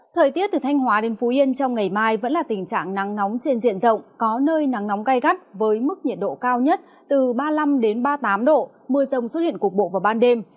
thời tiết từ thanh hóa đến phú yên trong ngày mai vẫn là tình trạng nắng nóng trên diện rộng có nơi nắng nóng gai gắt với mức nhiệt độ cao nhất từ ba mươi năm ba mươi tám độ mưa rông xuất hiện cuộc bộ vào ban đêm